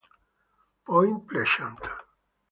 Point Pleasant